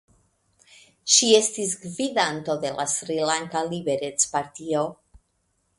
Ŝi estis gvidanto de la Srilanka Liberecpartio.